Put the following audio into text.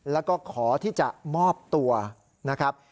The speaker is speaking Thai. แล้วก็ขอที่จะมอบตัวนะครับ